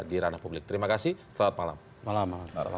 di ranah publik terima kasih selamat malam